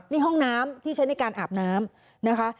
นี่ห้องน้ำที่ใช้ในการอาบน้ำนะคะ